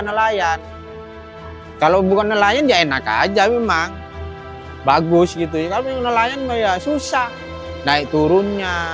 nelayan kalau bukan nelayan ya enak aja memang bagus gitu ya kalau nelayan ya susah naik turunnya